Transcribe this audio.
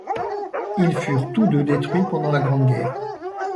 Ils furent tous deux détruits pendant la Grande Guerre.